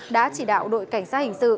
đã chỉ đạo đội cảnh sát hình sự